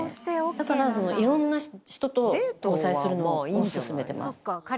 だから色んな人と交際するのを勧めてます